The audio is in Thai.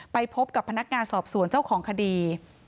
ไปพบกับพนักงานสอบสวนเจ้าของคดี